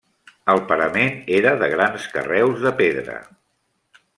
El parament era de grans carreus de pedra.